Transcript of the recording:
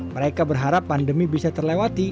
mereka berharap pandemi bisa terlewati